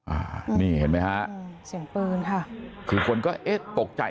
อ่านี่เห็นไหมฮะอืมเสียงปืนค่ะคือคนก็เอ๊ะตกใจ